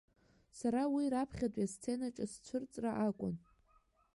Сара уи раԥхьатәи асценаҿы сцәырҵра акәын.